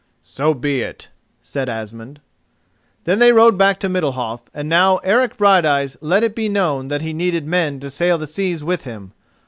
"So be it," said Asmund. Then they rode back to Middalhof, and now Eric Brighteyes let it be known that he needed men to sail the seas with him.